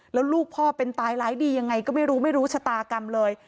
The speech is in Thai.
แล้วลูกพ่อเป็นตายร้ายดียังไงก็ไม่รู้ไม่รู้ชะตากรรมเลย